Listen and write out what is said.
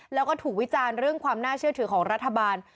แล้วก็ถูกวิจารณ์เรื่องความน่าเชื่อถือของรัฐบาล